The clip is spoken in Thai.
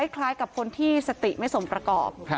คล้ายกับคนที่สติไม่สมประกอบ